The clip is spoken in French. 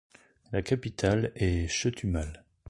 La capitale est Chetumal.